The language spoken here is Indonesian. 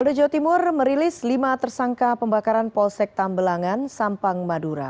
polda jawa timur merilis lima tersangka pembakaran polsek tambelangan sampang madura